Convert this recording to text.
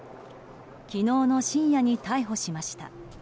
昨日の深夜に逮捕しました。